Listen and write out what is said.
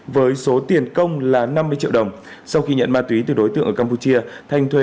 với số tiền công là năm mươi triệu đồng sau khi nhận ma túy từ đối tượng ở campuchia thanh thuê